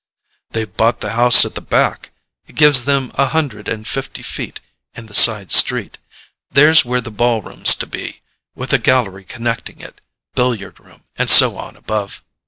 "They've bought the house at the back: it gives them a hundred and fifty feet in the side street. There's where the ball room's to be, with a gallery connecting it: billiard room and so on above.